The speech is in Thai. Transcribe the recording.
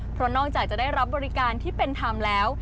เพราะนอกจากจะได้รับบริการที่เป็นธรรมแล้ว